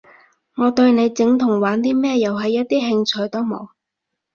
我對你整同玩啲咩遊戲一啲興趣都冇